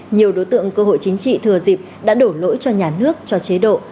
nhiều đối tượng cơ hội chính trị thừa dịp đã đổ lỗi cho nhà nước cho chế độ